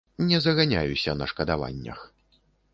Не заганяюся на шкадаваннях.